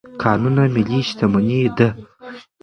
کانونه ملي شتمني ده.